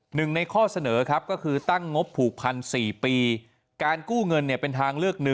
หนึ่งในข้อเสนอครับก็คือตั้งงบผูกพัน๔ปีการกู้เงินเป็นทางเลือก๑